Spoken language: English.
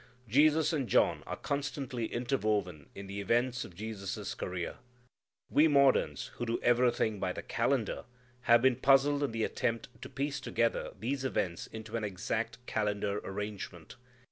Jesus and John are constantly interwoven in the events of Jesus' career. We moderns, who do everything by the calendar, have been puzzled in the attempt to piece together these events into an exact calendar arrangement.